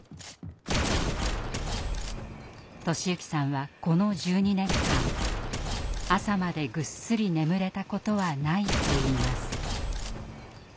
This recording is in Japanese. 寿之さんはこの１２年間朝までぐっすり眠れたことはないといいます。